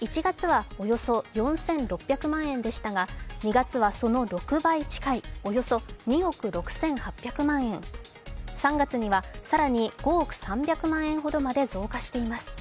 １月はおよそ４６００万円でしたが２月はその６倍近いおよそ２億６８００万円３月には、更に５億３００万円ほどまで増加しています。